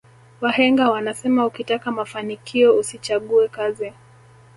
wahenga wanasema ukitaka mafanikio usichague kazi